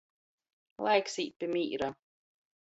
Laiks īt pi mīra!